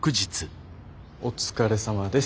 お疲れさまです。